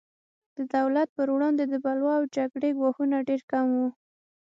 د دولت پر وړاندې د بلوا او جګړې ګواښونه ډېر کم وو.